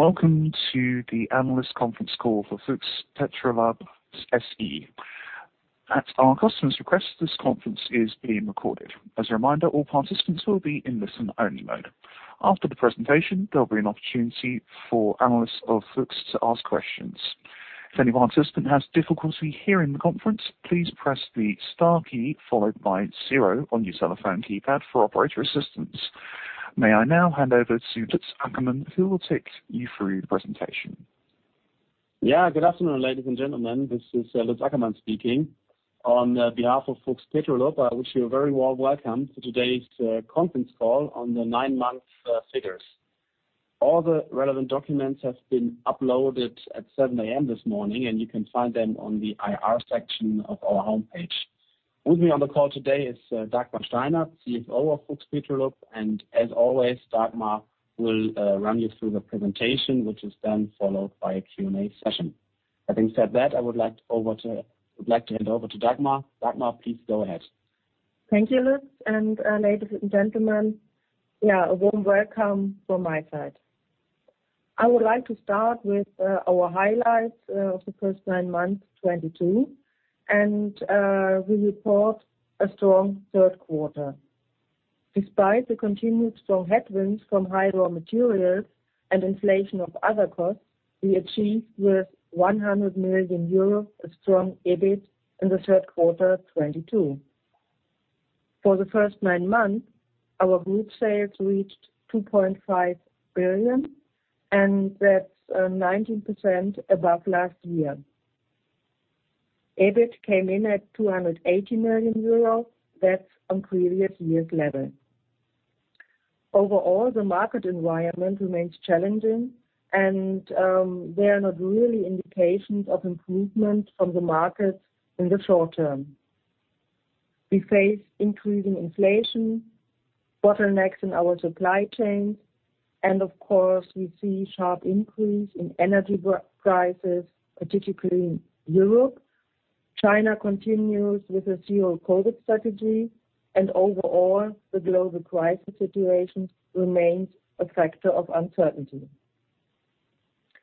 Welcome to the analyst conference call for Fuchs Petrolub SE. At our customer's request, this conference is being recorded. As a reminder, all participants will be in listen-only mode. After the presentation, there'll be an opportunity for analysts of Fuchs to ask questions. If any participant has difficulty hearing the conference, please press the star key followed by zero on your telephone keypad for operator assistance. May I now hand over to Lutz Ackermann, who will take you through the presentation. Yeah. Good afternoon, ladies and gentlemen. This is Lutz Ackermann speaking. On behalf of Fuchs Petrolub, I wish you a very warm welcome to today's conference call on the nine-month figures. All the relevant documents have been uploaded at 7:00 A.M. this morning, and you can find them on the IR section of our homepage. With me on the call today is Dagmar Steinert, CFO of Fuchs Petrolub. As always, Dagmar will run you through the presentation, which is then followed by a Q&A session. Having said that, I would like to hand over to Dagmar. Dagmar, please go ahead. Thank you, Lutz, and ladies and gentlemen, a warm welcome from my side. I would like to start with our highlights of the first nine months 2022, and we report a strong third quarter. Despite the continued strong headwinds from higher raw materials and inflation of other costs, we achieved with 100 million euros a strong EBIT in the third quarter 2022. For the first nine months, our group sales reached 2.5 billion, and that's 19% above last year. EBIT came in at 280 million euro. That's on previous year's level. Overall, the market environment remains challenging, and there are not really indications of improvement from the markets in the short term. We face increasing inflation, bottlenecks in our supply chains, and of course, we see sharp increase in energy prices, particularly in Europe. China continues with a zero-COVID strategy, and overall, the global crisis situation remains a factor of uncertainty.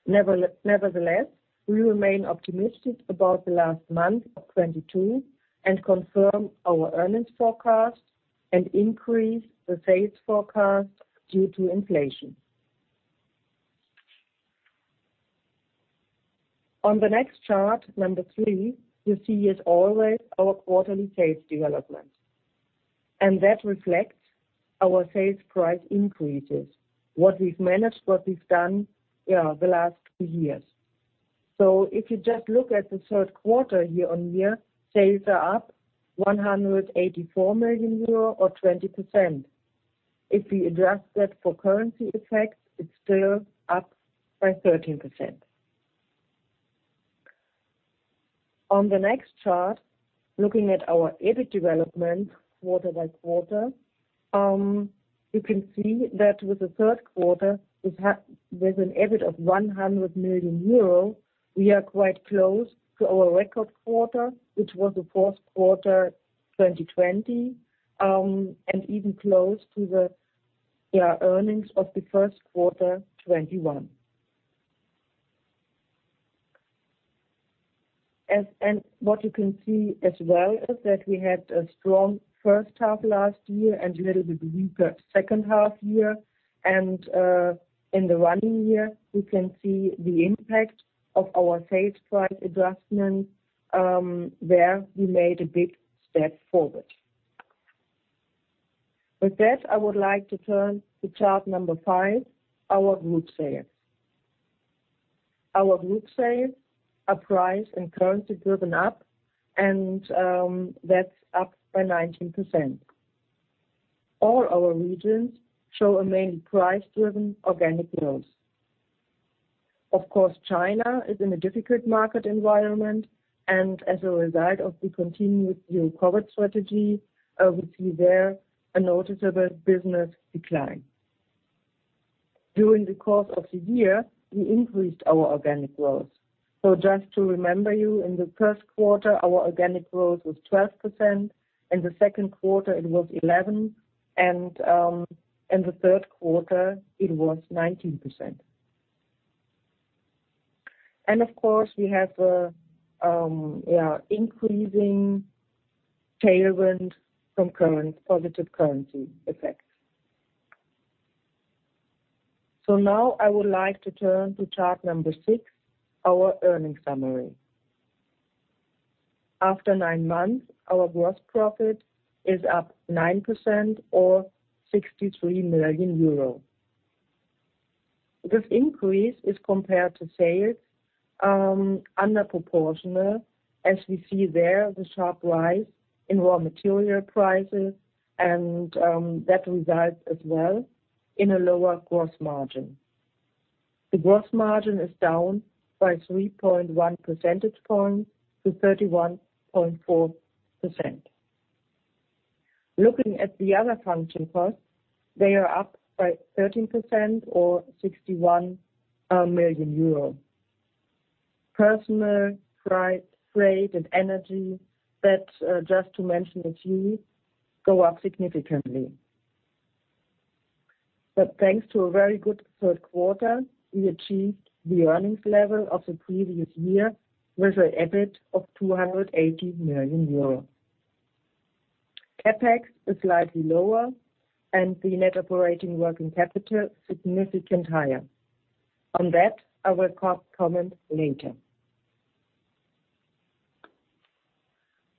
Nevertheless, we remain optimistic about the last month of 2022 and confirm our earnings forecast and increase the sales forecast due to inflation. On the next chart, number three, you see as always our quarterly sales development, and that reflects our sales price increases, what we've managed, what we've done, yeah, the last two years. If you just look at the third quarter year-on-year, sales are up 184 million euro or 20%. If we adjust that for currency effects, it's still up by 13%. On the next chart, looking at our EBIT development quarter by quarter, you can see that with the third quarter, with an EBIT of 100 million euro, we are quite close to our record quarter, which was the fourth quarter 2020, and even close to the earnings of the first quarter 2021. What you can see as well is that we had a strong first half last year and a little bit weaker second half year. In the running year, we can see the impact of our sales price adjustments, where we made a big step forward. With that, I would like to turn to chart number five, our group sales. Our group sales are price and currency driven up and that's up by 19%. All our regions show a mainly price-driven organic growth. Of course, China is in a difficult market environment, and as a result of the continued zero-COVID strategy, we see there a noticeable business decline. During the course of the year, we increased our organic growth. Just to remind you, in the first quarter, our organic growth was 12%, in the second quarter it was 11%, and in the third quarter it was 19%. Of course, we have an increasing tailwind from positive currency effects. Now I would like to turn to chart number six, our earnings summary. After nine months, our gross profit is up 9% or 63 million euro. This increase is, compared to sales, under-proportional as we see there the sharp rise in raw material prices, and that results as well in a lower gross margin. The gross margin is down by 3.1 percentage points to 31.4%. Looking at the other function costs, they are up by 13% or EUR 61 million. Personnel, price, freight, and energy, that just to mention a few, go up significantly. Thanks to a very good third quarter, we achieved the earnings level of the previous year with an EBIT of 280 million euro. CapEx is slightly lower, and the net operating working capital, significant higher. On that, I will co-comment later.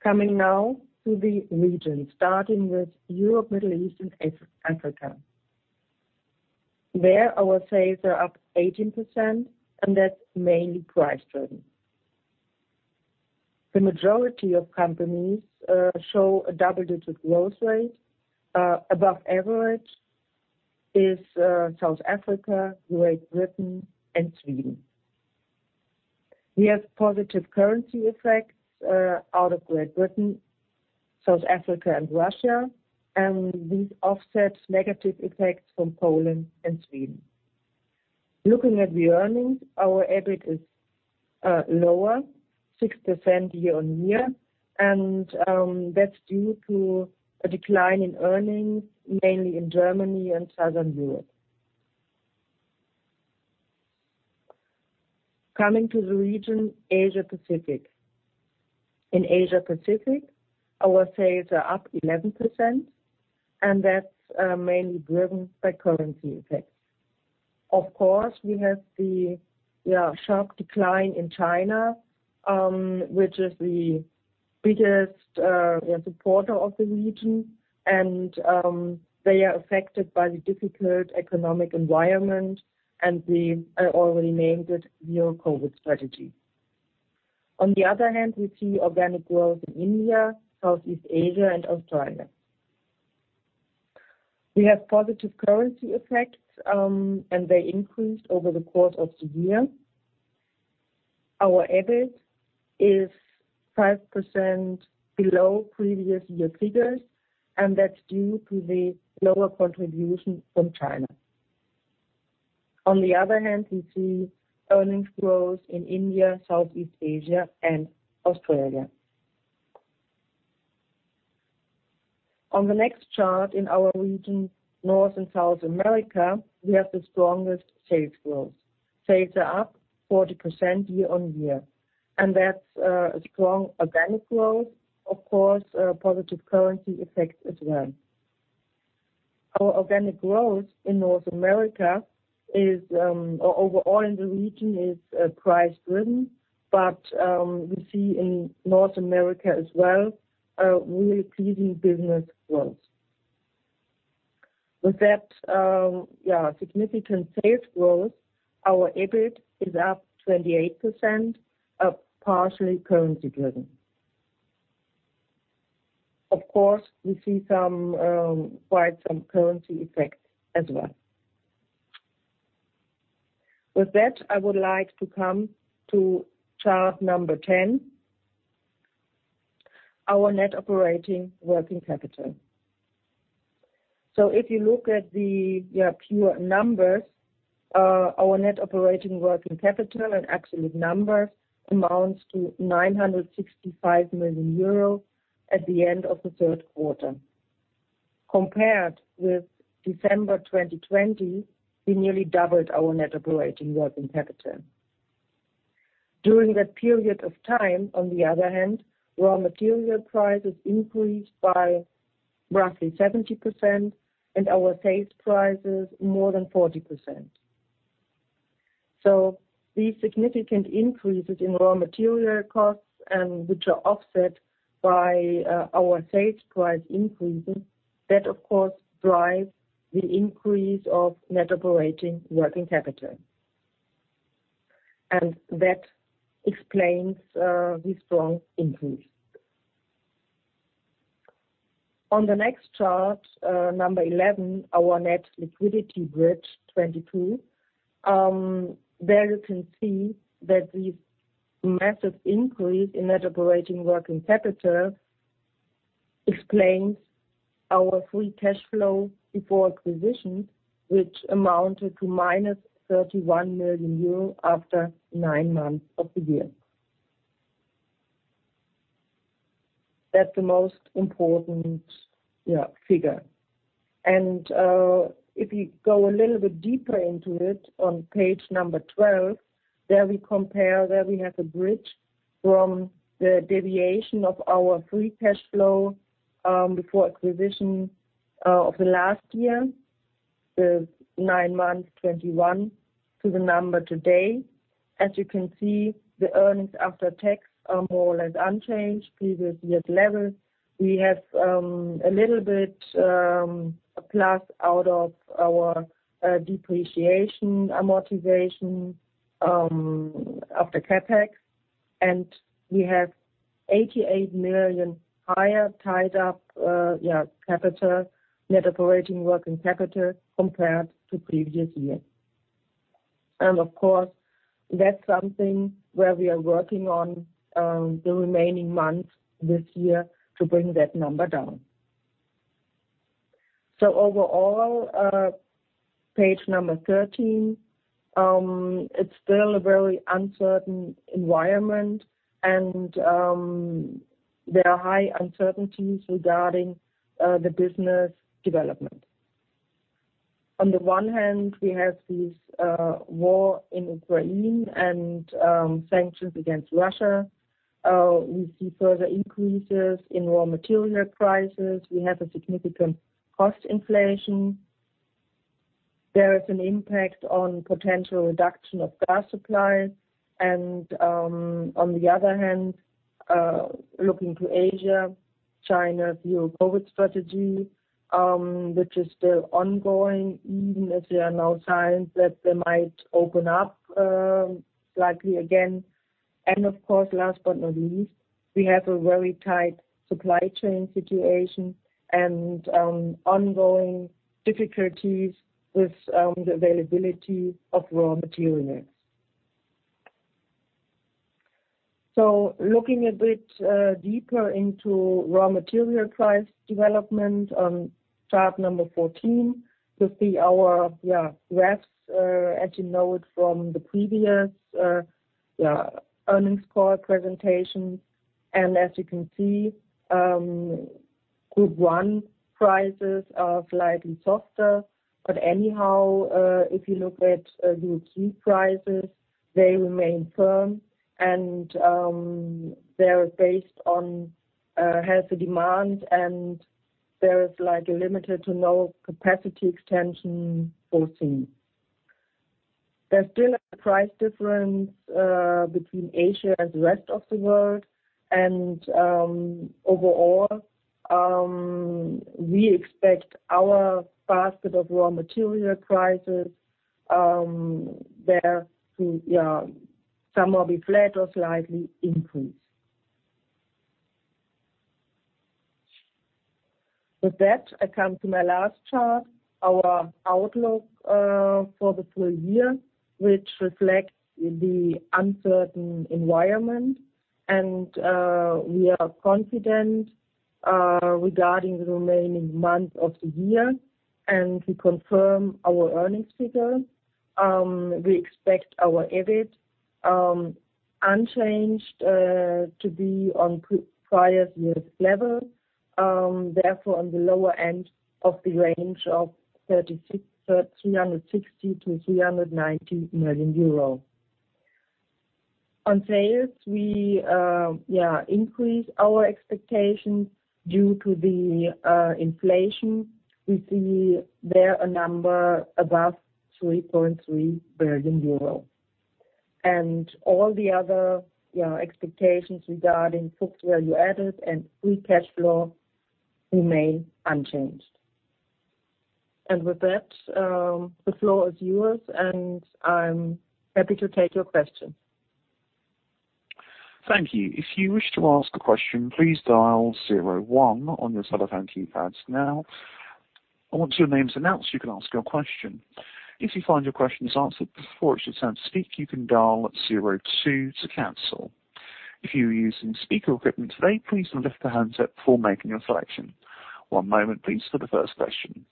Coming now to the region, starting with Europe, Middle East, and Africa. There our sales are up 18% and that's mainly price driven. The majority of companies show a double-digit growth rate. Above average is South Africa, Great Britain, and Sweden. We have positive currency effects out of Great Britain, South Africa, and Russia, and these offset negative effects from Poland and Sweden. Looking at the earnings, our EBIT is lower, 6% year-on-year, and that's due to a decline in earnings, mainly in Germany and Southern Europe. Coming to the region Asia-Pacific. In Asia-Pacific, our sales are up 11% and that's mainly driven by currency effects. Of course, we have the sharp decline in China, which is the biggest supporter of the region and they are affected by the difficult economic environment and the, I already named it, zero-COVID strategy. On the other hand, we see organic growth in India, Southeast Asia, and Australia. We have positive currency effects, and they increased over the course of the year. Our EBIT is 5% below previous year figures, and that's due to the lower contribution from China. On the other hand, we see earnings growth in India, Southeast Asia, and Australia. On the next chart in our region, North and South America, we have the strongest sales growth. Sales are up 40% year-on-year, and that's a strong organic growth, of course, positive currency effect as well. Our organic growth in North America is overall in the region price driven, but we see in North America as well really pleasing business growth. With that, significant sales growth, our EBIT is up 28%, partially currency driven. Of course, we see some quite some currency effects as well. With that, I would like to come to chart number 10, our net operating working capital. If you look at the, yeah, pure numbers, our net operating working capital in absolute numbers amounts to 965 million euro at the end of the third quarter. Compared with December 2020, we nearly doubled our net operating working capital. During that period of time, on the other hand, raw material prices increased by roughly 70% and our sales prices more than 40%. These significant increases in raw material costs and which are offset by our sales price increases, that of course drive the increase of net operating working capital. That explains this strong increase. On the next chart, number 11, our net liquidity bridge 2022, there you can see that the massive increase in net operating working capital explains our free cash flow before acquisition, which amounted to -31 million euro after nine months of the year. That's the most important figure. If you go a little bit deeper into it, on page number 12, there we have a bridge from the deviation of our free cash flow before acquisition of the last year, the nine months 2021, to the number today. As you can see, the earnings after tax are more or less unchanged, previous year's levels. We have a little bit a plus out of our depreciation amortization of the CapEx, and we have 88 million higher tied up capital net operating working capital compared to previous year. Of course, that's something where we are working on the remaining months this year to bring that number down. Overall, page number 13, it's still a very uncertain environment and there are high uncertainties regarding the business development. On the one hand, we have this war in Ukraine and sanctions against Russia. We see further increases in raw material prices. We have a significant cost inflation. There is an impact on potential reduction of gas supply and, on the other hand, looking to Asia, China's zero-COVID strategy, which is still ongoing, even as there are now signs that they might open up, slightly again. Of course, last but not least, we have a very tight supply chain situation and, ongoing difficulties with, the availability of raw materials. Looking a bit, deeper into raw material price development on chart number 14, you see our graphs, as you know it from the previous earnings call presentation. As you can see, group one prices are slightly softer. Anyhow, if you look at group two prices, they remain firm and, they are based on, healthy demand, and there is like limited to no capacity extension foreseen. There's still a price difference between Asia and the rest of the world and overall we expect our basket of raw material prices there to some will be flat or slightly increase. With that, I come to my last chart, our outlook for the full year, which reflects the uncertain environment. We are confident regarding the remaining months of the year, and we confirm our earnings figure. We expect our EBIT unchanged to be on pre-prior year's level therefore on the lower end of the range of 360 million-390 million euro. On sales, we increase our expectations due to the inflation. We see there a number above 3.3 billion euro. All the other, yeah, expectations regarding book value added and free cash flow remain unchanged. With that, the floor is yours, and I'm happy to take your questions. Thank you. If you wish to ask a question, please dial zero one on your telephone keypads now. Once your name is announced, you can ask your question. If you find your question is answered before it's your turn to speak, you can dial zero two to cancel. If you're using speaker equipment today, please lift the handset before making your selection. One moment please for the first question.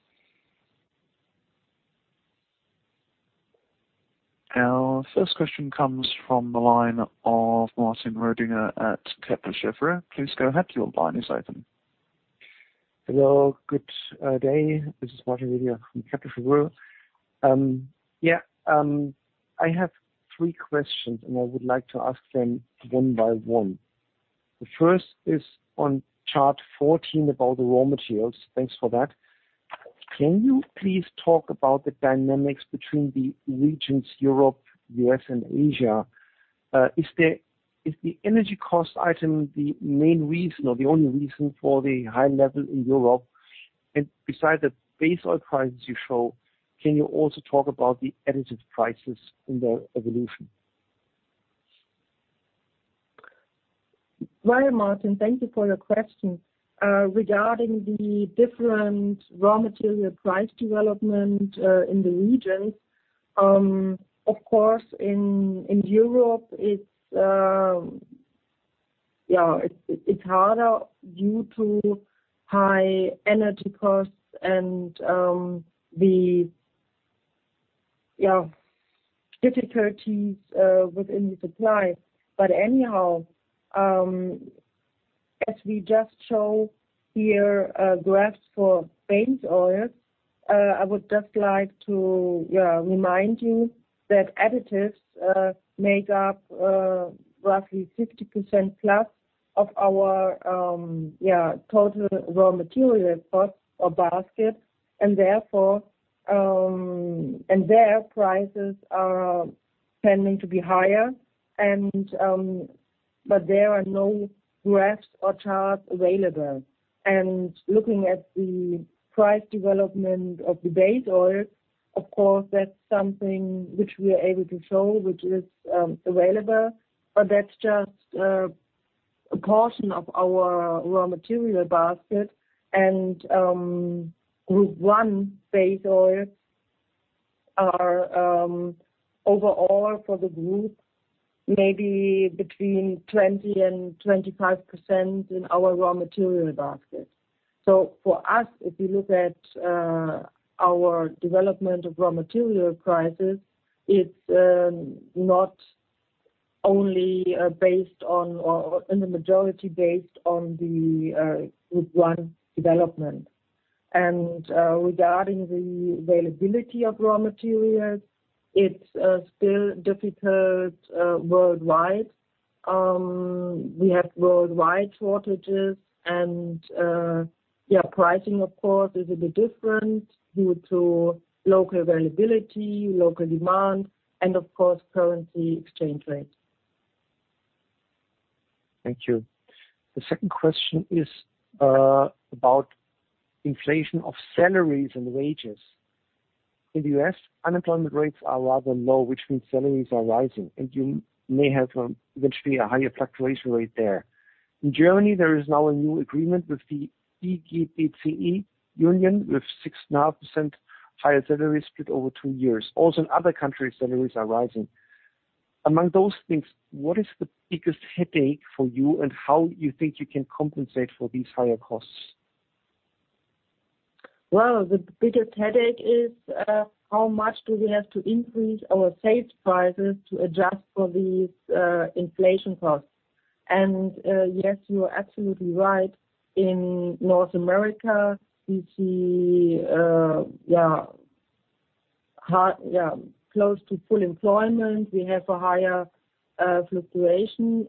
Our first question comes from the line of Martin Roediger at Kepler Cheuvreux. Please go ahead, your line is open. Hello, good day. This is Martin Roediger from Kepler Cheuvreux. I have three questions, and I would like to ask them one by one. The first is on chart 14 about the raw materials. Thanks for that. Can you please talk about the dynamics between the regions Europe, U.S., and Asia? Is the energy cost item the main reason or the only reason for the high level in Europe? Besides the base oil prices you show, can you also talk about the additive prices and their evolution? Right, Martin, thank you for your question. Regarding the different raw material price development in the regions, of course, in Europe, it's harder due to high energy costs and the difficulties within the supply. But anyhow, as we just show here graphs for base oils, I would just like to remind you that additives make up roughly 50% plus of our total raw material cost or basket. Therefore, their prices are tending to be higher, but there are no graphs or charts available. Looking at the price development of the base oil, of course, that's something which we are able to show, which is available, but that's just a portion of our raw material basket and group one base oils are overall for the group, maybe between 20% and 25% in our raw material basket. For us, if you look at our development of raw material prices, it's not only based on or in the majority based on the group one development. Regarding the availability of raw materials, it's still difficult worldwide. We have worldwide shortages, and yeah, pricing, of course, is a bit different due to local availability, local demand, and of course, currency exchange rate. Thank you. The second question is about inflation of salaries and wages. In the U.S., unemployment rates are rather low, which means salaries are rising, and you may have eventually a higher fluctuation rate there. In Germany, there is now a new agreement with the IG BCE union, with 6.5% higher salaries split over two years. Also, in other countries, salaries are rising. Among those things, what is the biggest headache for you and how you think you can compensate for these higher costs? Well, the biggest headache is how much we have to increase our sales prices to adjust for these inflation costs. Yes, you are absolutely right. In North America, we see close to full employment. We have a higher fluctuation.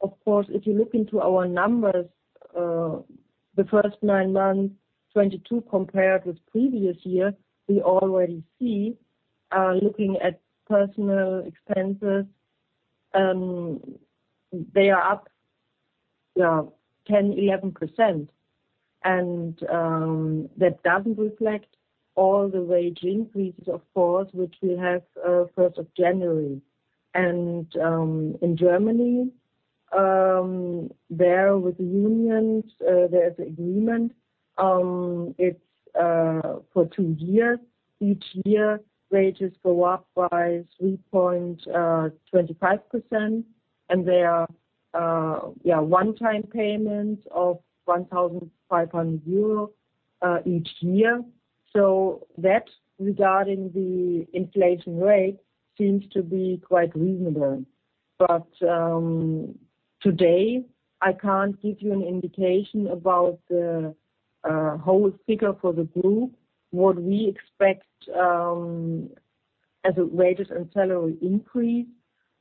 Of course, if you look into our numbers, the first nine months, 2022 compared with previous year, we already see, looking at personnel expenses, they are up 10%-11%. That doesn't reflect all the wage increases, of course, which we have 1st of January. In Germany, there, with the unions, there's agreement. It's for two years. Each year, wages go up by 3.25%, and there are one-time payment of 1,500 euro each year. That, regarding the inflation rate, seems to be quite reasonable. Today, I can't give you an indication about the whole figure for the group. What we expect, as a wages and salary increase,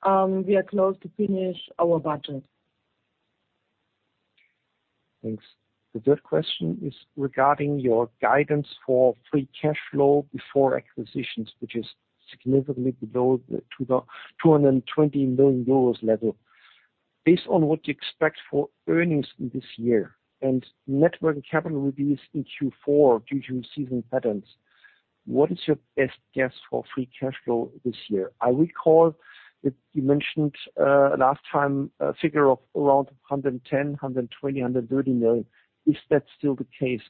we are close to finish our budget. Thanks. The third question is regarding your guidance for free cash flow before acquisitions, which is significantly below the 220 million euros level. Based on what you expect for earnings in this year and net working capital release in Q4 due to seasonal patterns, what is your best guess for free cash flow this year? I recall that you mentioned last time a figure of around 110, 120, 130 million. Is that still the case?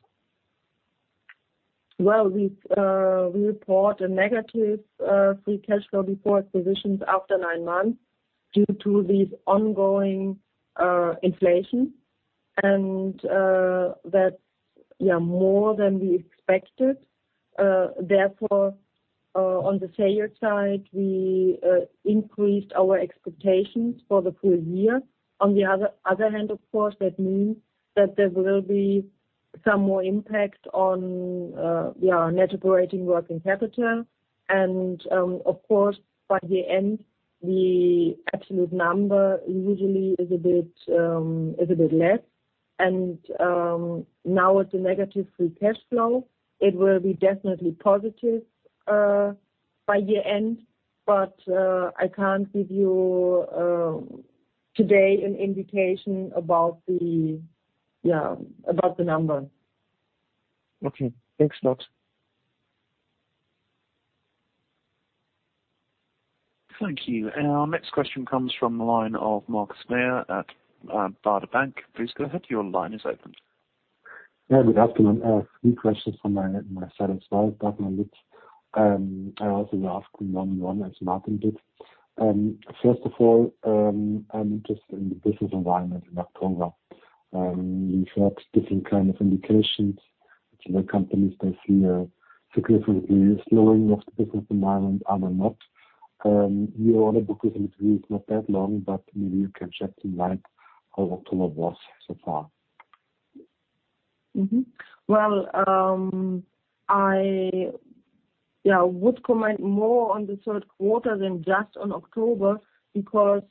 Well, we report a negative free cash flow before acquisitions after nine months due to these ongoing inflation. That's more than we expected. Therefore, on the sales side, we increased our expectations for the full year. On the other hand, of course, that means that there will be some more impact on net operating working capital. Of course, by the end, the absolute number usually is a bit less. Now with the negative free cash flow, it will be definitely positive by year-end, but I can't give you today an indication about the number. Okay. Thanks a lot. Thank you. Our next question comes from the line of Markus Mayer at Baader Bank. Please go ahead. Your line is open. Yeah, good afternoon. I have three questions from my side as well, starting with, I also will ask one as Martin did. First of all, I'm interested in the business environment in October. We've had different kind of indications, which other companies they see a significant slowing of the business environment, other not. Your order book is only three is not that long, but maybe you can shed some light on how October was so far. Would comment more on the third quarter than just on October because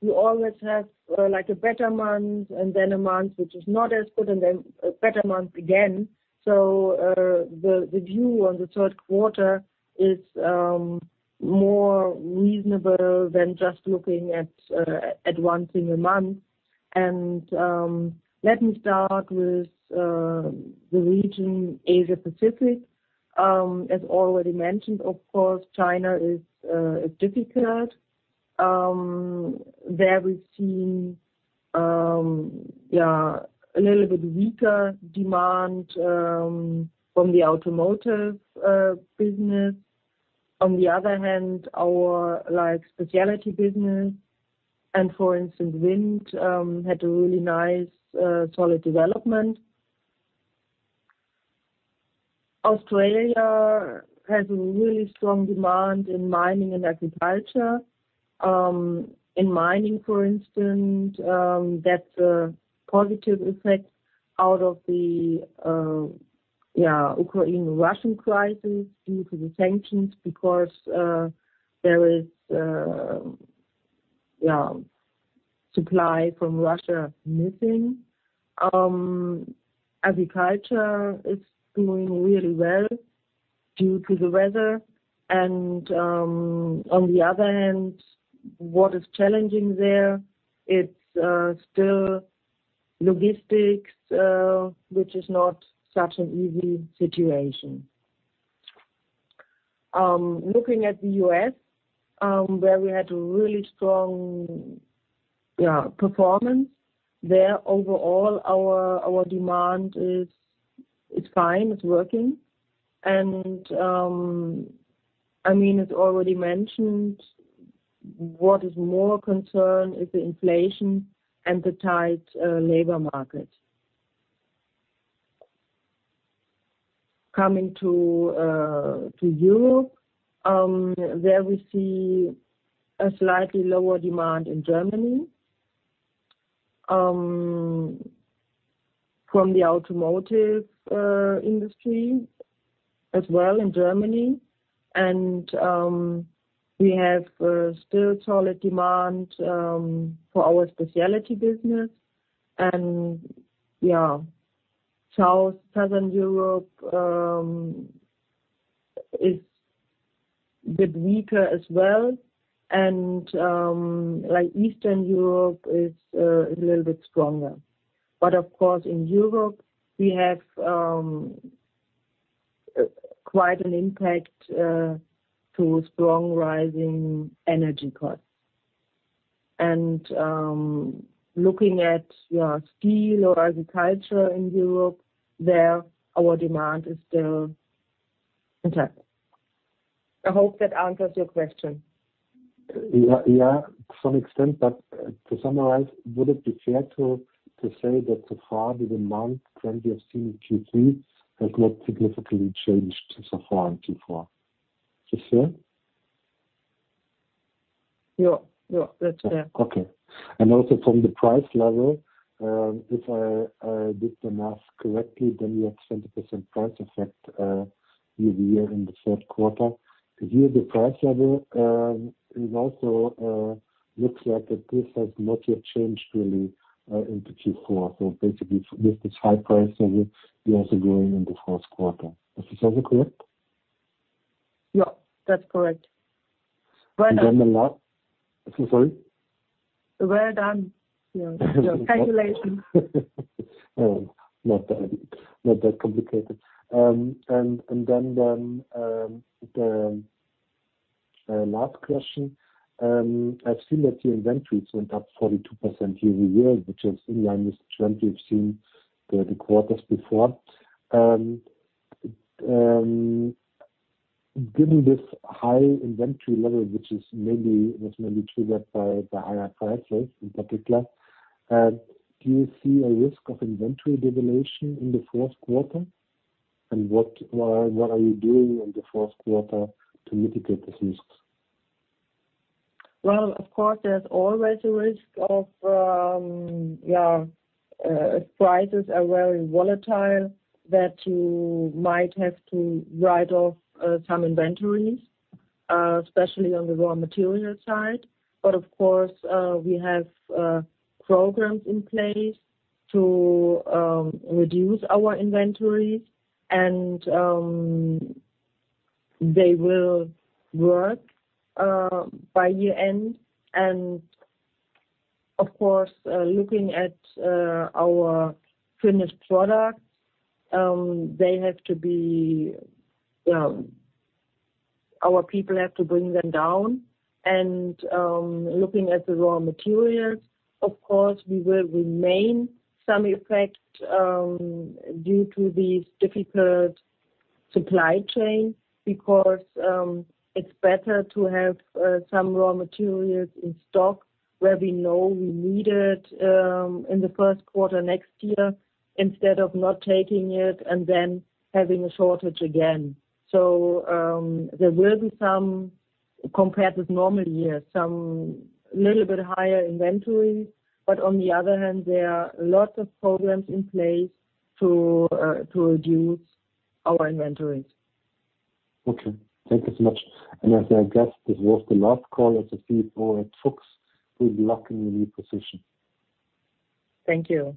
you always have like a better month and then a month which is not as good and then a better month again. The view on the third quarter is more reasonable than just looking at one single month. Let me start with the region Asia Pacific. As already mentioned, of course, China is difficult. There we've seen yeah a little bit weaker demand from the automotive business. On the other hand, our like specialty business and for instance, wind had a really nice solid development. Australia has a really strong demand in mining and agriculture. In mining, for instance, that's a positive effect out of the Ukraine-Russia crisis due to the sanctions because there is supply from Russia missing. Agriculture is doing really well due to the weather. On the other hand, what is challenging there is still logistics, which is not such an easy situation. Looking at the U.S., where we had a really strong performance there. Overall, our demand is fine; it's working. I mean, it's already mentioned. What is more a concern is the inflation and the tight labor market. Coming to Europe, there we see a slightly lower demand in Germany from the automotive industry as well in Germany. We have still solid demand for our specialty business. Southern Europe is a bit weaker as well, and Eastern Europe is a little bit stronger. Of course in Europe we have quite an impact due to strongly rising energy costs. Looking at steel or agriculture in Europe, their demand is still intact. I hope that answers your question. Yeah, yeah, to some extent. To summarize, would it be fair to say that so far the demand trend we have seen in Q3 has not significantly changed so far in Q4? Is this fair? Yeah. Yeah, that's fair. Okay. Also from the price level, if I did the math correctly, then we had 20% price effect year-over-year in the third quarter. Here the price level is also looks like that this has not yet changed really into Q4. Basically with this high price level, we're also going in the fourth quarter. Is this also correct? Yeah, that's correct. Well done. Sorry. Well done. Yeah. Your calculation. Not that complicated. The last question. I've seen that your inventory went up 42% year-over-year, which is in line with the trend we've seen in the quarters before. Given this high inventory level, which maybe was triggered by the higher prices in particular, do you see a risk of inventory devaluation in the fourth quarter? What are you doing in the fourth quarter to mitigate these risks? Well, of course, there's always a risk if prices are very volatile that you might have to write off some inventories, especially on the raw material side. Of course, we have programs in place to reduce our inventories and they will work by year-end. Of course, looking at our finished products, our people have to bring them down. Looking at the raw materials, of course, there will remain some effect due to these difficult supply chain because it's better to have some raw materials in stock where we know we need it in the first quarter next year, instead of not taking it and then having a shortage again. There will be some, compared with normal years, some little bit higher inventory. On the other hand, there are lots of programs in place to reduce our inventories. Okay. Thank you so much. As I guess this was the last call as CFO at Fuchs. Good luck in your new position. Thank you.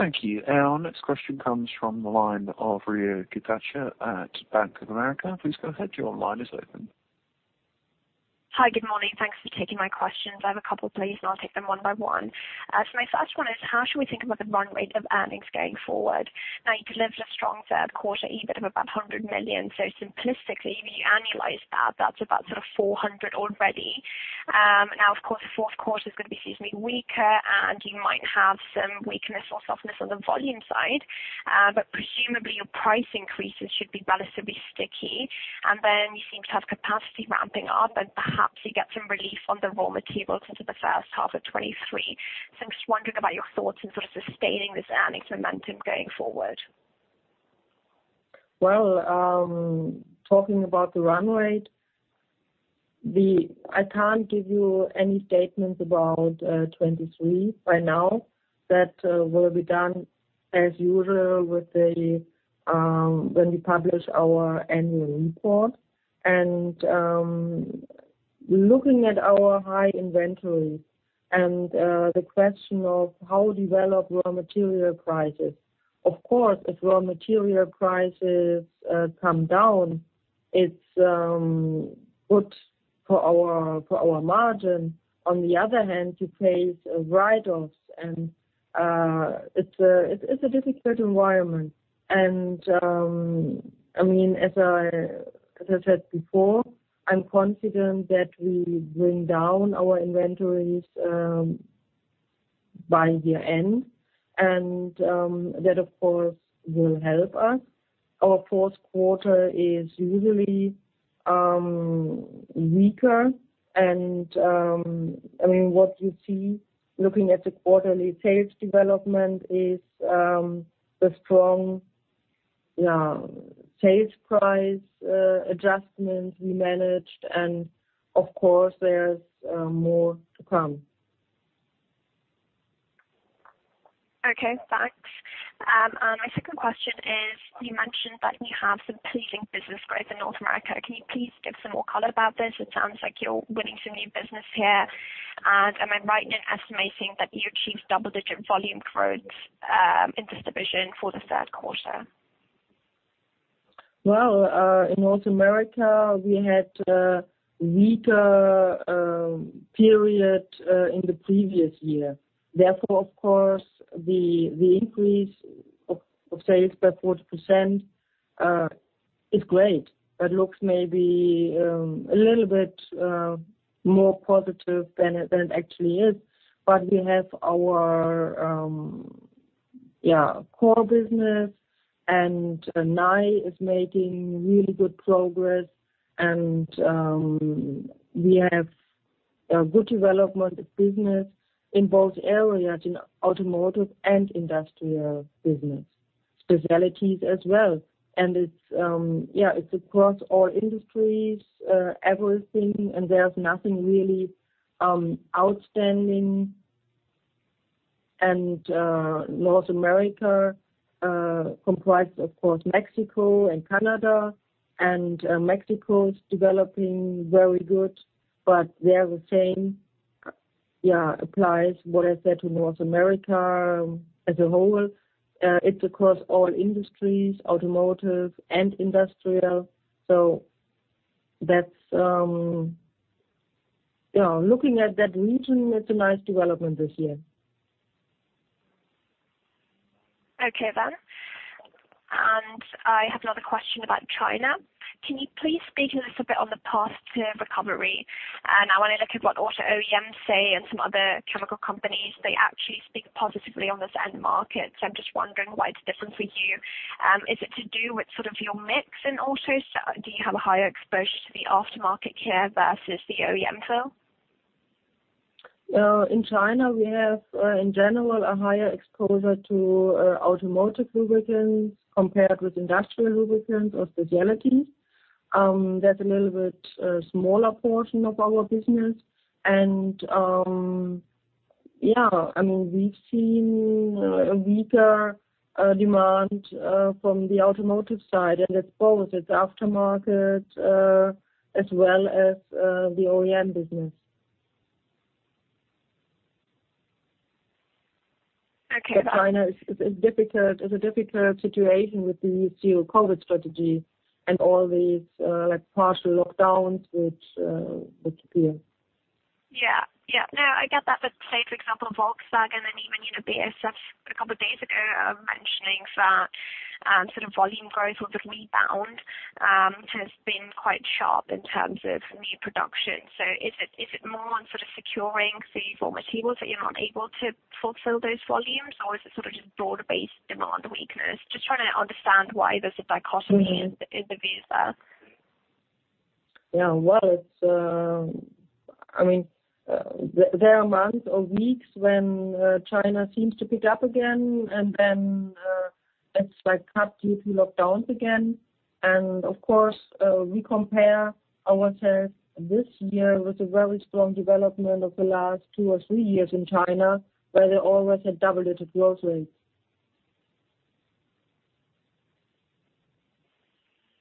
Thank you. Our next question comes from the line of Riya Kotecha at Bank of America. Please go ahead, your line is open. Hi. Good morning. Thanks for taking my questions. I have a couple, please, and I'll take them one by one. My first one is how should we think about the run rate of earnings going forward? Now you delivered a strong third quarter EBIT of about 100 million. Simplistically, if you annualize that's about sort of 400 million already. Now of course, the fourth quarter is gonna be seasonally weaker, and you might have some weakness or softness on the volume side. Presumably your price increases should be relatively sticky. Then you seem to have capacity ramping up, and perhaps you get some relief on the raw materials into the first half of 2023. I'm just wondering about your thoughts in sort of sustaining this earnings momentum going forward. Well, talking about the run rate, I can't give you any statement about 2023 by now. That will be done as usual when we publish our annual report. Looking at our high inventory and the question of how raw material prices develop. Of course, if raw material prices come down, it's good for our margin. On the other hand, you face write-offs and it's a difficult environment. I mean, as I said before, I'm confident that we bring down our inventories by year-end. That of course will help us. Our fourth quarter is usually weaker and, I mean, what you see looking at the quarterly sales development is the strong, yeah, sales price adjustments we managed and of course there's more to come. Okay, thanks. My second question is, you mentioned that you have some pleasing business growth in North America. Can you please give some more color about this? It sounds like you're winning some new business here. Am I right in estimating that you achieved double-digit volume growth in this division for the third quarter? Well, in North America, we had a weaker period in the previous year. Therefore, of course, the increase of sales by 40% is great. That looks maybe a little bit more positive than it actually is. We have our core business, and Nye is making really good progress and we have a good development of business in both areas, in automotive and industrial business, specialties as well. It's across all industries, everything, and there's nothing really outstanding. North America comprise of course Mexico and Canada, and Mexico's developing very good. There the same applies what I said to North America as a whole. It's across all industries, automotive and industrial. That's... Yeah, looking at that region, it's a nice development this year. Okay. I have another question about China. Can you please speak to us a bit on the path to recovery? I wanna look at what auto OEMs say and some other chemical companies. They actually speak positively on this end market. I'm just wondering why it's different for you. Is it to do with sort of your mix in autos? Do you have a higher exposure to the aftermarket car versus the OEM sales? In China, we have in general a higher exposure to automotive lubricants compared with industrial lubricants or specialties. That's a little bit smaller portion of our business. I mean, we've seen a weaker demand from the automotive side, and I suppose it's aftermarket as well as the OEM business. Okay. China is difficult. It's a difficult situation with the zero-COVID strategy and all these like partial lockdowns which appear. Yeah. Yeah. No, I get that. Say for example, Volkswagen and even, you know, BASF a couple of days ago, mentioning that sort of volume growth or the rebound has been quite sharp in terms of new production. Is it more on sort of securing key raw materials that you're not able to fulfill those volumes, or is it sort of just broad-based demand weakness? Just trying to understand why there's a dichotomy in the business. Yeah. Well, it's. I mean, there are months or weeks when China seems to pick up again, and then it's like cut due to lockdowns again. Of course, we compare ourselves this year with a very strong development of the last two or three years in China, where they always had double-digit growth rates.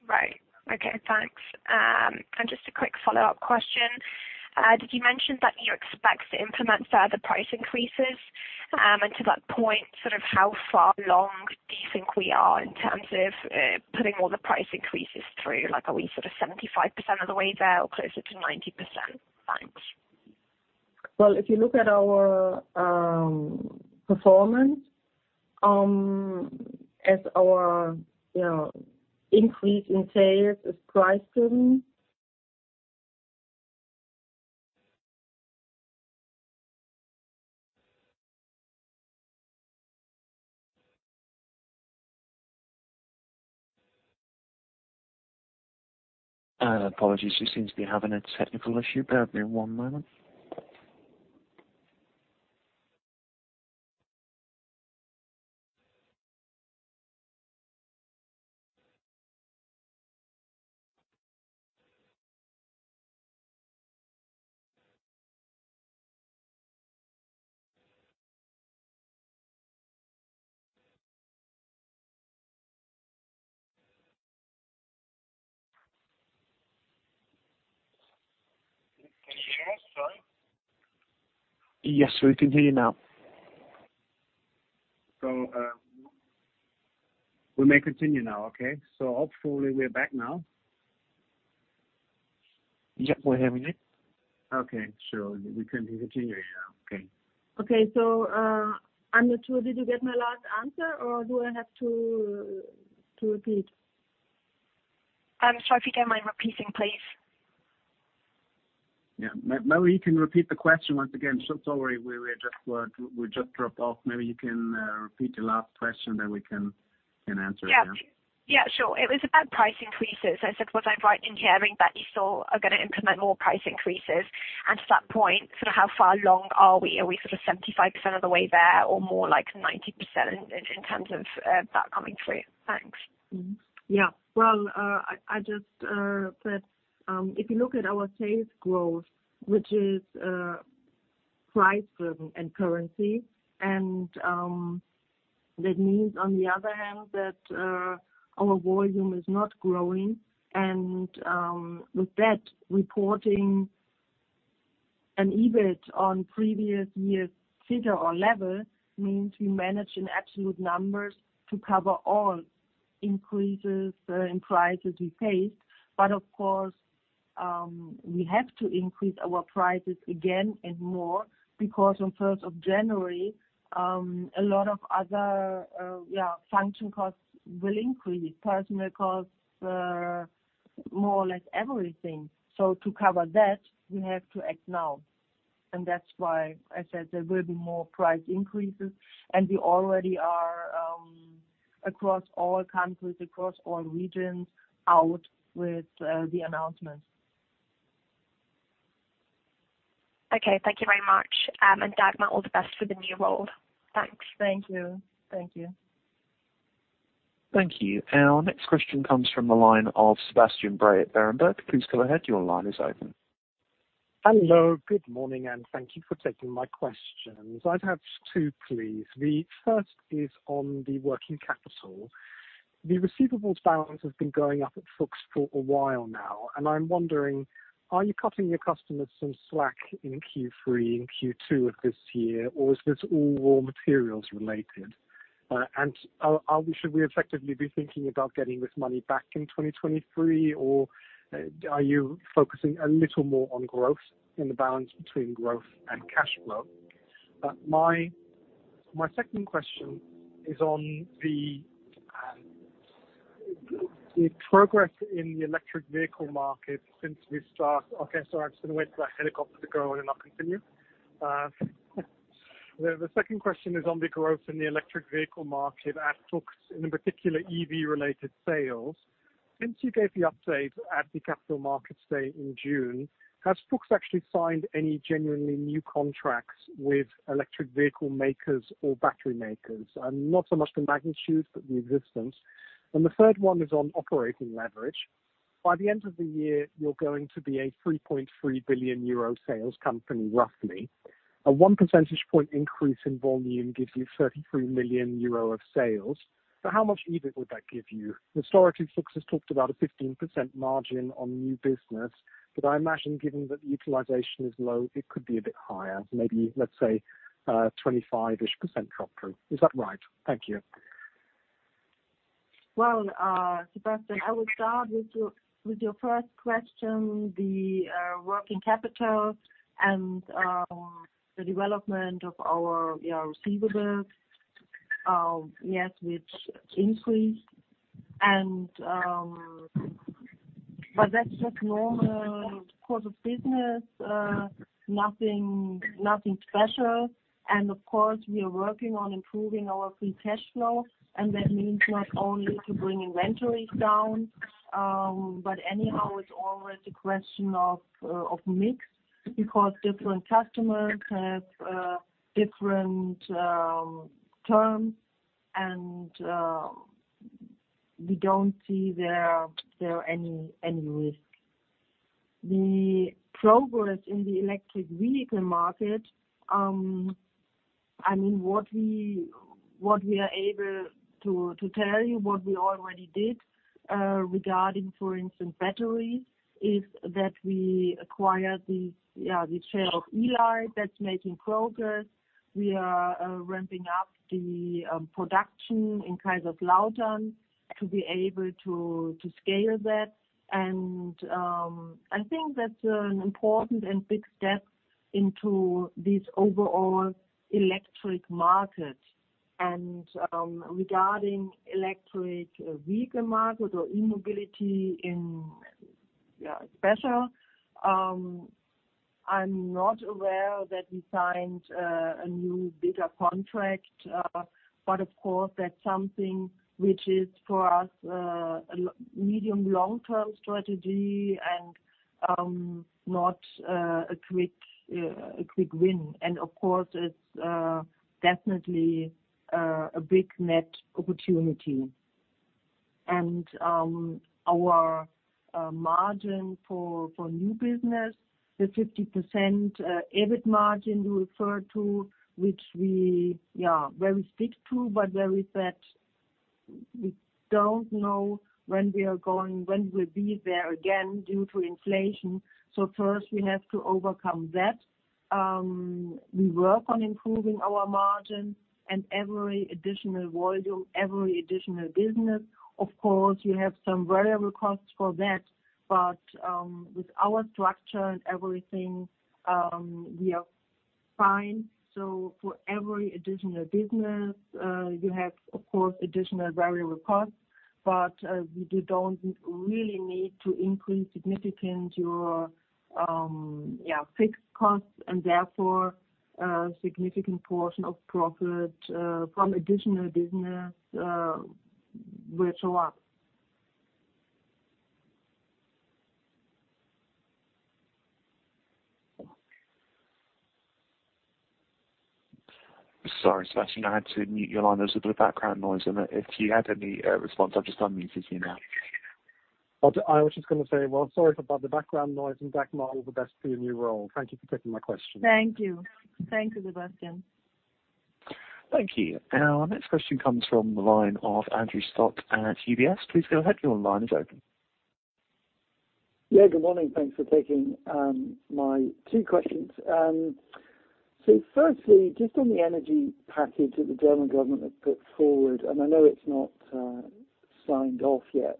Right. Okay, thanks. Just a quick follow-up question. Did you mention that you expect to implement further price increases? To that point, sort of how far along do you think we are in terms of putting all the price increases through? Like, are we sort of 75% of the way there or closer to 90%? Thanks. Well, if you look at our performance, as our, you know, increase in sales is price-driven. Apologies. She seems to be having a technical issue. Bear with me one moment. Can you hear us? Sorry. Yes, we can hear you now. We may continue now. Okay. Hopefully we're back now. Yeah, we're hearing you. Okay. We can continue now. Okay. Okay. I'm not sure. Did you get my last answer, or do I have to repeat? Sorry. If you don't mind repeating, please. Yeah. Maybe you can repeat the question once again. Sorry, we just dropped off. Maybe you can repeat the last question, then we can answer, yeah. Yeah. Yeah, sure. It was about price increases. I said, was I right in hearing that you still are gonna implement more price increases? To that point, sort of how far along are we? Are we sort of 75% of the way there or more like 90% in terms of that coming through? Thanks. Well, I just said, if you look at our sales growth, which is price driven and currency, and that means, on the other hand, that our volume is not growing. With that reporting an EBIT on previous year's figure or level means we manage in absolute numbers to cover all increases in prices we faced. Of course, we have to increase our prices again and more because on 1st of January, a lot of other function costs will increase, personnel costs, more or less everything. To cover that, we have to act now. That's why I said there will be more price increases, and we already are across all countries, across all regions, out with the announcements. Okay. Thank you very much. Dagmar, all the best for the new role. Thanks. Thank you. Thank you. Thank you. Our next question comes from the line of Sebastian Bray at Berenberg. Please go ahead. Your line is open. Hello. Good morning, and thank you for taking my questions. I'd have two, please. The first is on the working capital. The receivables balance has been going up at Fuchs for a while now, and I'm wondering, are you cutting your customers some slack in Q3 and Q2 of this year, or is this all raw materials related? Should we effectively be thinking about getting this money back in 2023, or are you focusing a little more on growth in the balance between growth and cash flow? My second question is on the progress in the electric vehicle market since we start. Okay. Sorry. I'm just gonna wait for that helicopter to go, and then I'll continue. The second question is on the growth in the electric vehicle market at Fuchs, in particular EV related sales. Since you gave the update at the Capital Markets Day in June, has Fuchs actually signed any genuinely new contracts with electric vehicle makers or battery makers? Not so much the magnitude, but the existence. The third one is on operating leverage. By the end of the year, you're going to be a 3.3 billion euro sales company, roughly. A one percentage point increase in volume gives you 33 million euro of sales. How much EBIT would that give you? Historically, Fuchs has talked about a 15% margin on new business, but I imagine given that the utilization is low, it could be a bit higher, maybe, let's say, 25-ish% drop through. Is that right? Thank you. Well, Sebastian, I will start with your first question, the working capital and the development of our receivables, yes, which increased. That's just normal course of business, nothing special. Of course, we are working on improving our free cash flow, and that means not only to bring inventories down, but anyhow it's always a question of mix because different customers have different terms and we don't see there any risk. The progress in the electric vehicle market, I mean, what we are able to tell you what we already did. Regarding, for instance, batteries is that we acquired the share of E-Lyte that's making progress. We are ramping up the production in Kaiserslautern to be able to scale that. I think that's an important and big step into this overall electric market. Regarding electric vehicle market or e-mobility in general, I'm not aware that we signed a new bigger contract. Of course, that's something which is for us a medium long-term strategy and not a quick win. Of course, it's definitely a big new opportunity. Our margin for new business, the 50% EBIT margin you referred to, which we very strict to, but where we said we don't know when we'll be there again due to inflation. First, we have to overcome that. We work on improving our margin and every additional volume, every additional business. Of course, you have some variable costs for that. With our structure and everything, we are fine. For every additional business, you have, of course, additional variable costs. We don't really need to increase significantly our fixed costs, and therefore, a significant portion of profit from additional business will show up. Sorry, Sebastian, I had to mute your line. There was a bit of background noise in it. If you had any response, I've just unmuted you now. I was just gonna say, well, sorry about the background noise. Dagmar, all the best to your new role. Thank you for taking my question. Thank you. Thank you, Sebastian. Thank you. Our next question comes from the line of Andrew Stott at UBS. Please go ahead. Your line is open. Yeah, good morning. Thanks for taking my two questions. Firstly, just on the energy package that the German government has put forward, and I know it's not signed off yet.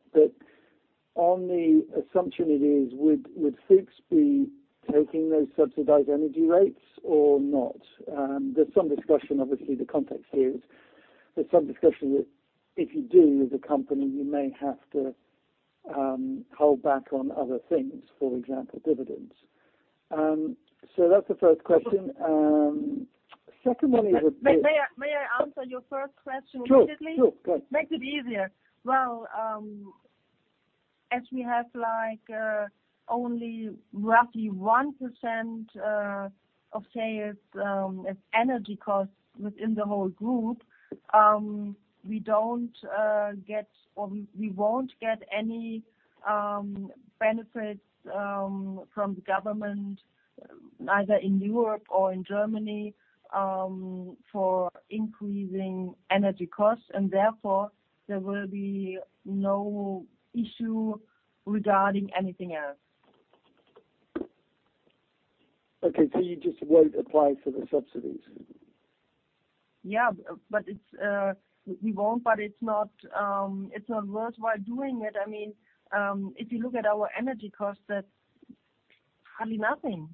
On the assumption it is, would Fuchs be taking those subsidized energy rates or not? There's some discussion, obviously, that if you do as a company, you may have to hold back on other things, for example, dividends. That's the first question. Secondly, would- May I answer your first question quickly? Sure, sure. Go ahead. Makes it easier. Well, as we have like only roughly 1% of sales as energy costs within the whole group, we don't get or we won't get any benefits from the government, either in Europe or in Germany, for increasing energy costs. Therefore, there will be no issue regarding anything else. Okay. You just won't apply for the subsidies? Yeah. It's not worthwhile doing it. I mean, if you look at our energy costs, that's hardly nothing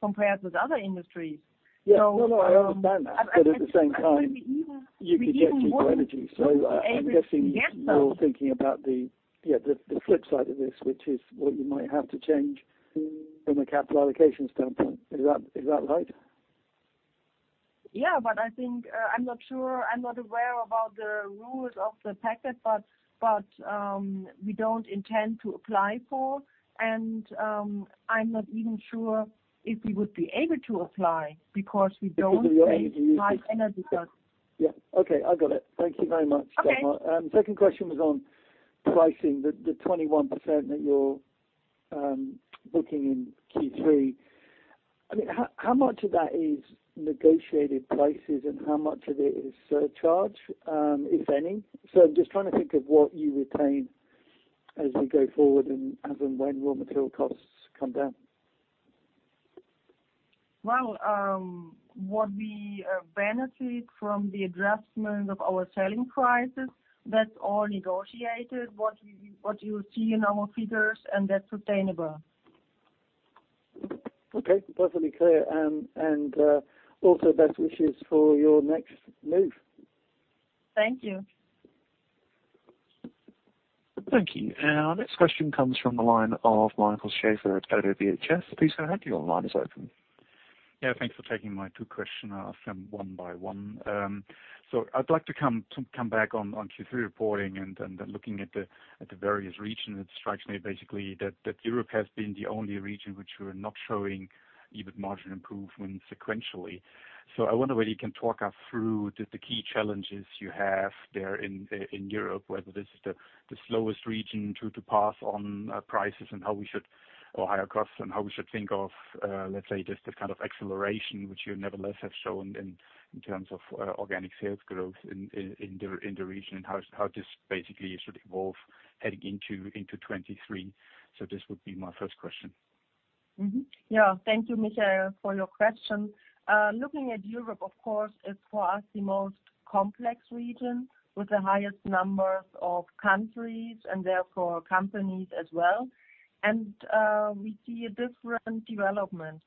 compared with other industries. Yeah. No, no, I understand that. At the same time. I think we even won't. You're protected for energy. Be able to get them. I'm guessing you're thinking about the, yeah, the flip side of this, which is what you might have to change from a capital allocation standpoint. Is that right? I think, I'm not sure. I'm not aware about the rules of the package, but we don't intend to apply for. I'm not even sure if we would be able to apply because we don't pay high energy costs. Yeah. Okay, I got it. Thank you very much, Dagmar. Okay. Second question was on pricing, the 21% that you're booking in Q3. I mean, how much of that is negotiated prices and how much of it is surcharge, if any? I'm just trying to think of what you retain as you go forward and as and when raw material costs come down. Well, what we benefit from the adjustment of our selling prices, that's all negotiated, what you see in our figures, and that's sustainable. Okay. Perfectly clear. Also best wishes for your next move. Thank you. Thank you. Our next question comes from the line of Michael Schaefer at ODDO BHF. Please go ahead. Your line is open. Yeah, thanks for taking my two questions. I'll ask them one by one. I'd like to come back on Q3 reporting and looking at the various regions. It strikes me basically that Europe has been the only region which we're not showing EBIT margin improvement sequentially. I wonder whether you can talk us through the key challenges you have there in Europe, whether this is the slowest region to pass on prices or higher costs, and how we should think of, let's say, just the kind of acceleration which you nevertheless have shown in terms of organic sales growth in the region, and how this basically should evolve heading into 2023. This would be my first question. Thank you, Michael, for your question. Looking at Europe, of course, is for us the most complex region with the highest numbers of countries and therefore companies as well. We see a different development.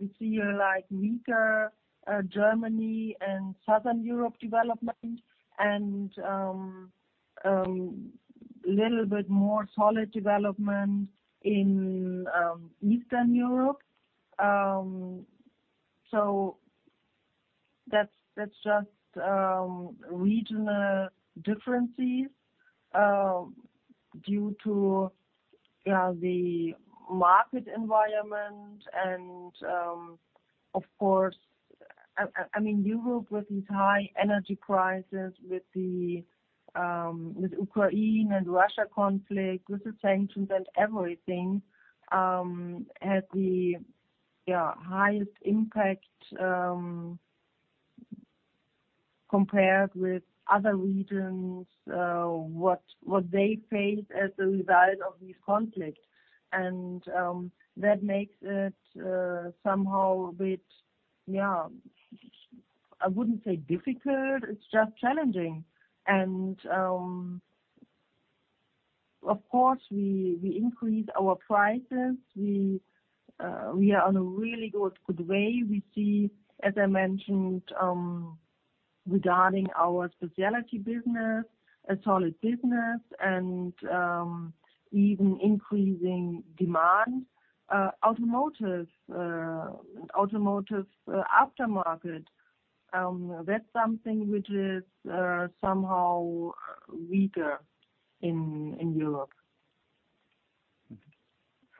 We see a like weaker Germany and Southern Europe development and little bit more solid development in Eastern Europe. That's just regional differences due to the market environment. Of course, I mean, Europe with its high energy prices, with the Ukraine and Russia conflict, with the sanctions and everything, had the highest impact compared with other regions what they faced as a result of this conflict. That makes it somehow a bit. I wouldn't say difficult, it's just challenging. Of course we increase our prices. We are on a really good way. We see, as I mentioned, regarding our specialty business, a solid business and even increasing demand, automotive aftermarket, that's something which is somehow weaker in Europe.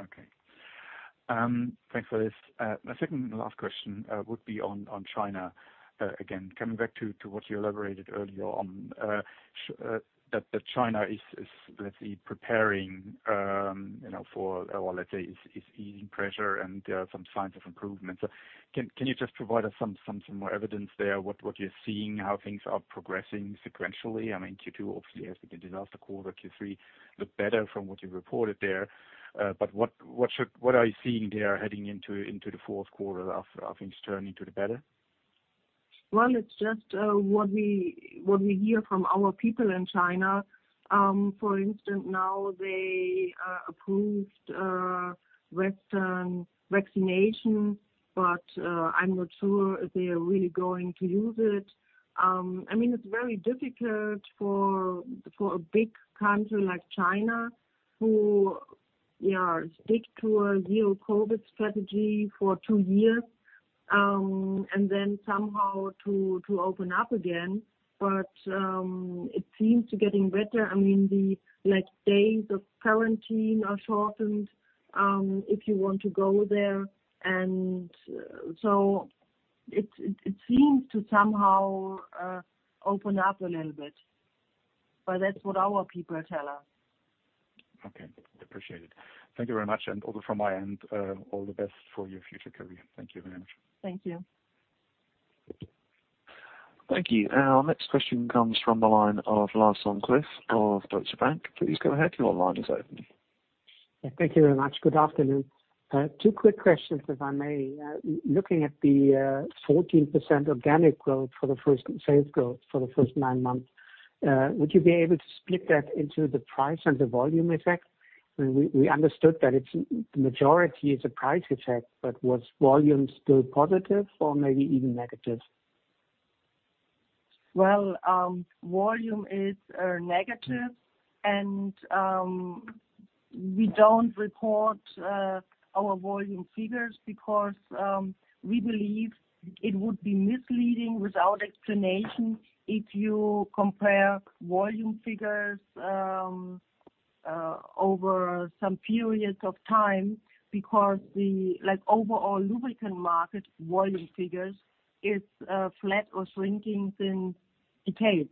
Okay. Thanks for this. My second and the last question would be on China. Again, coming back to what you elaborated earlier on, that China is, let's say, preparing, you know, for, or let's say is easing pressure and some signs of improvements. Can you just provide us some more evidence there, what you're seeing, how things are progressing sequentially? I mean, Q2 obviously has been the disaster quarter. Q3 looked better from what you reported there. What are you seeing there heading into the fourth quarter of things turning to the better? Well, it's just what we hear from our people in China. For instance, now they approved Western vaccination, but I'm not sure if they are really going to use it. I mean, it's very difficult for a big country like China who stick to a zero-COVID strategy for two years, and then somehow to open up again. It seems to getting better. I mean, the, like, days of quarantine are shortened, if you want to go there. It seems to somehow open up a little bit. That's what our people tell us. Okay. Appreciate it. Thank you very much. Also from my end, all the best for your future career. Thank you very much. Thank you. Thank you. Our next question comes from the line of Lars Vom Cleff of Deutsche Bank. Please go ahead, your line is open. Thank you very much. Good afternoon. Two quick questions, if I may. Looking at the 14% organic sales growth for the first nine months, would you be able to split that into the price and the volume effect? I mean, we understood that it's the majority is a price effect, but was volume still positive or maybe even negative? Well, volume is negative, and we don't report our volume figures because we believe it would be misleading without explanation if you compare volume figures over some periods of time because the, like, overall lubricant market volume figures is flat or shrinking since decades.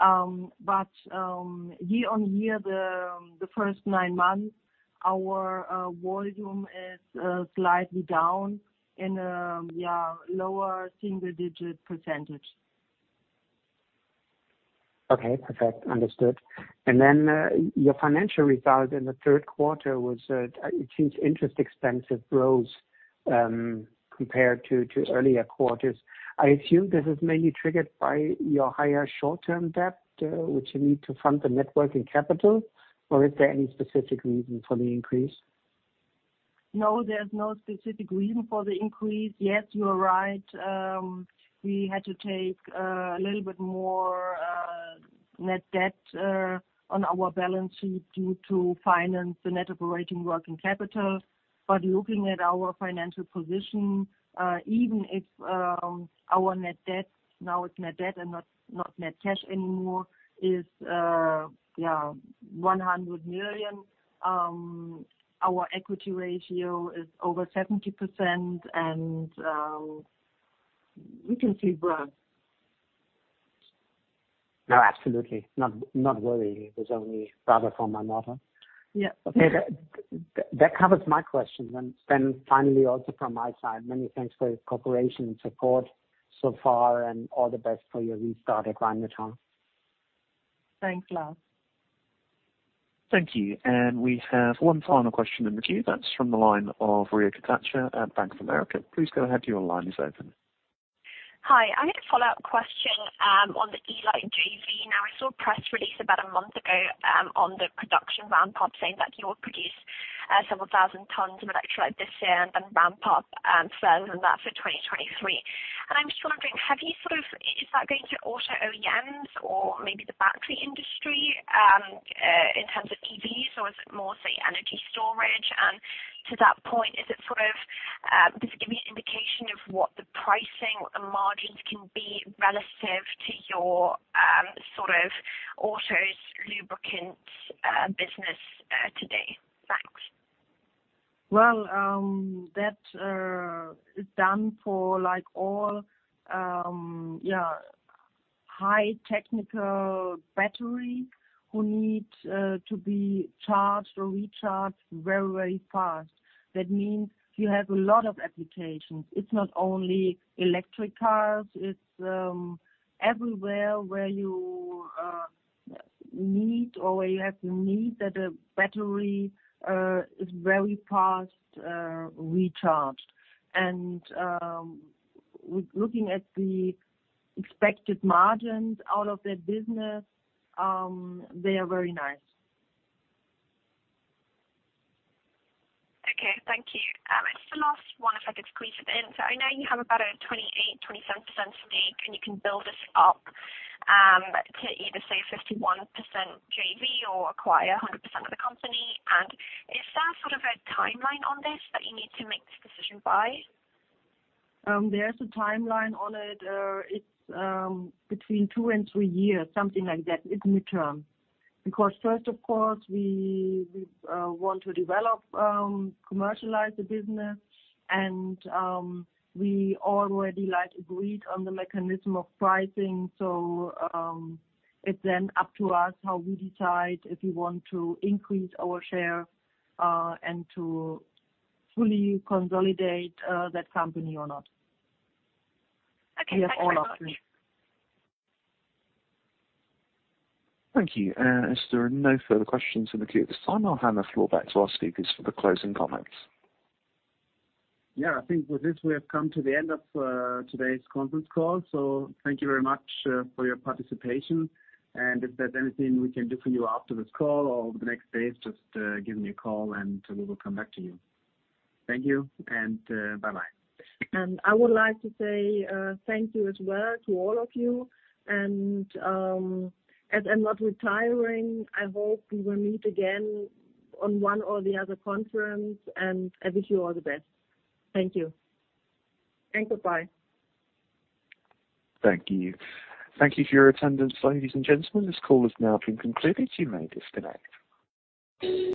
Year-on-year, the first nine months, our volume is slightly down in yeah, lower single-digit percentage. Okay. Perfect. Understood. Your financial result in the third quarter was. It seems interest expense have rose compared to earlier quarters. I assume this is mainly triggered by your higher short-term debt, which you need to fund the net working capital, or is there any specific reason for the increase? No, there's no specific reason for the increase. Yes, you are right. We had to take a little bit more net debt on our balance sheet to finance the net operating working capital. Looking at our financial position, even if our net debt, now it's net debt and not net cash anymore, is yeah, 100 million, our equity ratio is over 70%, and we can see growth. No, absolutely not. Don't worry. It was only data from my model. Yeah. Okay. That covers my questions. Finally, also from my side, many thanks for your cooperation and support so far, and all the best for your restart at Rheinmetall. Thanks, Lars. Thank you. We have one final question in the queue. That's from the line of Riya Kotecha at Bank of America. Please go ahead, your line is open. Hi, I had a follow-up question on the E-Lyte JV. I saw a press release about a month ago on the production ramp-up, saying that you will produce several thousand tons of electrolyte this year and then ramp up sales and that for 2023. I'm just wondering, is that going to auto OEMs or maybe the battery industry in terms of EVs, or is it more, say, energy storage? To that point, does it give you an indication of what the pricing or the margins can be relative to your sort of autos lubricants business today? Thanks. Well, that is done for like, all, yeah, high-tech batteries that need to be charged or recharged very, very fast. That means you have a lot of applications. It's not only electric cars, it's everywhere where you need or where you have the need that a battery is very fast recharged. Looking at the expected margins out of their business, they are very nice. Okay, thank you. It's the last one, if I could squeeze it in. I know you have about a 28%-27% stake, and you can build this up to either say 51% JV or acquire 100% of the company. Is there sort of a timeline on this that you need to make this decision by? There's a timeline on it. It's between two-three years, something like that. It's midterm. Because first, of course, we want to develop commercialize the business and we already, like, agreed on the mechanism of pricing. It's then up to us how we decide if we want to increase our share and to fully consolidate that company or not. Okay. Thank you very much. We have all options. Thank you. As there are no further questions in the queue at this time, I'll hand the floor back to our speakers for the closing comments. Yeah. I think with this we have come to the end of today's conference call, so thank you very much for your participation. If there's anything we can do for you after this call or over the next days, just give me a call and we will come back to you. Thank you and bye-bye. I would like to say, thank you as well to all of you. As I'm not retiring, I hope we will meet again on one or the other conference, and I wish you all the best. Thank you. Goodbye. Thank you. Thank you for your attendance, ladies and gentlemen. This call has now been concluded. You may disconnect.